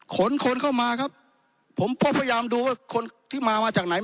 คนคนเข้ามาครับผมก็พยายามดูว่าคนที่มามาจากไหน